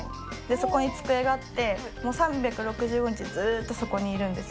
そこに机があって、３６５日ずっとそこにいるんです。